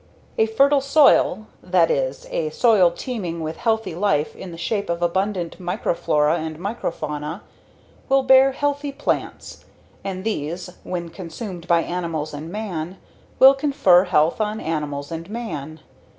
_ "A fertile soil, that is, a soil teeming with healthy life in the shape of abundant microflora and microfauna, will bear healthy plants, and these, when consumed by animals and man, will confer health on animals and man.